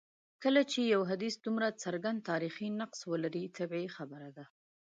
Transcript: کله چي یو حدیث دومره څرګند تاریخي نقص ولري طبیعي خبره ده.